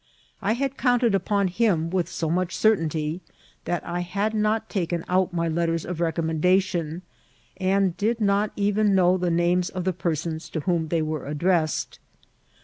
I had counted upon him with so much certainty that I had not taken out my letters of recommendation, and did not even know the names of the persons to whom they were ad dressed.